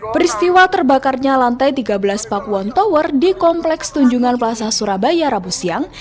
peristiwa terbakarnya lantai tiga belas pakuwon tower di kompleks tunjungan plaza surabaya rabu siang